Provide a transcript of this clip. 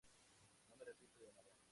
No me arrepiento de nada.